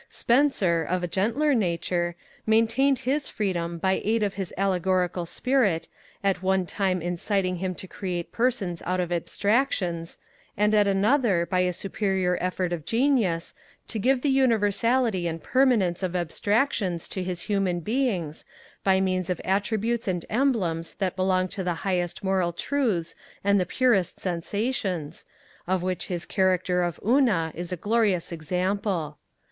Spenser, of a gentler nature, maintained his freedom by aid of his allegorical spirit, at one time inciting him to create persons out of abstractions; and, at another, by a superior effort of genius, to give the universality and permanence of abstractions to his human beings, by means of attributes and emblems that belong to the highest moral truths and the purest sensations, of which his character of Una is a glorious example.